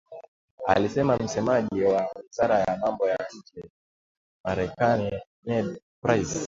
alisema msemaji wa wizara ya mambo ya nje Marekani Ned Price